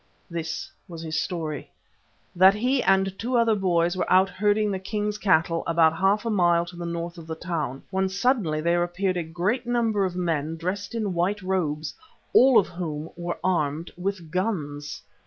This was his story. That he and two other boys were out herding the king's cattle about half a mile to the north of the town, when suddenly there appeared a great number of men dressed in white robes, all of whom were armed with guns.